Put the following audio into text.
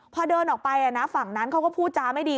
พอเดินออกไปฝั่งนั้นเขาก็พูดจาไม่ดี